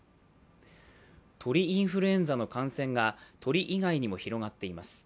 鳥インフルエンザの感染が鳥以外にも広がっています。